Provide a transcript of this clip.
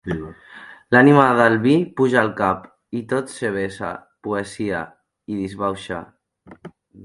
L'ànima del vi puja al cap, i tot se vessa, poesia, i disbauxa.